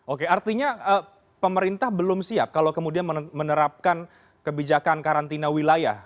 oke artinya pemerintah belum siap kalau kemudian menerapkan kebijakan karantina wilayah